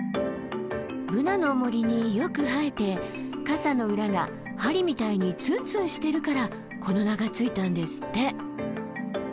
ブナの森によく生えて傘の裏が針みたいにツンツンしてるからこの名が付いたんですって。